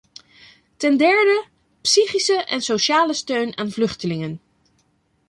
Ten derde: psychische en sociale steun aan vluchtelingen.